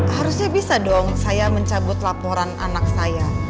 harusnya bisa dong saya mencabut laporan anak saya